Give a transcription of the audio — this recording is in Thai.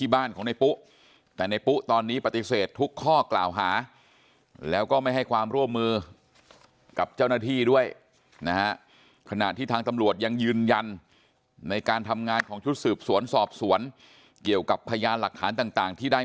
แม่ขอความยุติธรรมความเป็นธรรมให้กับแม่เขาด้วย